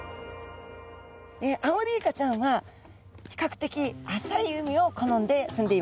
アオリイカちゃんはひかくてき浅い海を好んで住んでいます。